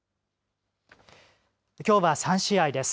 きょうは３試合です。